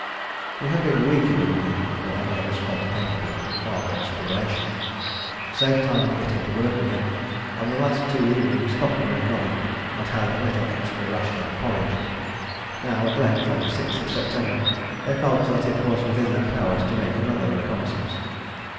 We had been a week in the ravine before any of us felt capable of farther exploration. To save time in getting to work again, on the last two evenings Cochrane and Nobby had had a little extra ration of porridge. Now at length, on the 6th September, they felt that it was within their powers to make another reconnaissance.